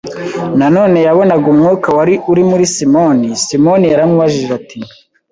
na none yabonaga umwuka wari uri muri Simoni. Simoni yaramubajije ati: